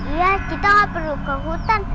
iya kita nggak perlu ke hutan